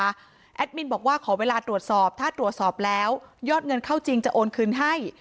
แอดมินบอกว่าขอเวลาตรวจสอบถ้าตรวจสอบแล้วยอดเงินเข้าจริงจะโอนคืนให้